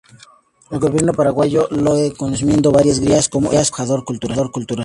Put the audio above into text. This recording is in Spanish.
El gobierno paraguayo le encomienda varias giras, como embajador cultural.